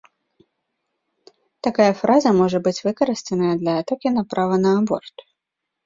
Такая фраза можа быць выкарыстаная для атакі на права на аборт.